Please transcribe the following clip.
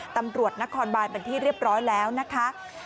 ตำรวจนครบานเป็นที่เรียบร้อยแล้วนะคะ